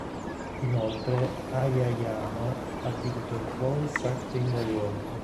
Inoltre, Aya Hirano ha vinto il "Voice Acting Award.